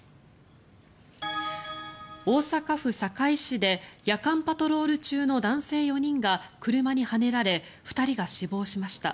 大阪府堺市で夜間パトロール中の男性４人が車にはねられ２人が死亡しました。